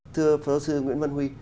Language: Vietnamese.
thưa phó giáo sư nguyễn văn huy